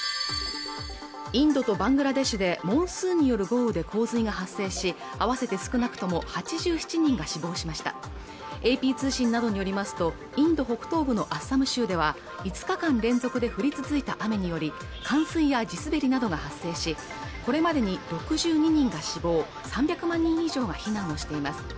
インドとバングラデシュでモンスーンによる豪雨で洪水が発生し合わせて少なくとも８７人が死亡しましたＡＰ通信などによりますとインド北東部のアッサム州では５日間連続で降り続いた雨により冠水や地滑りなどが発生しこれまでに６２人が死亡３００万人以上が避難をしています